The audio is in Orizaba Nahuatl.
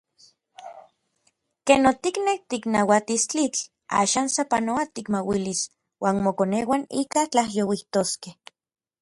Ken otiknek tiknauatis tlitl, axan sapanoa tikmauilis uan mokoneuan ika tlajyouijtoskej.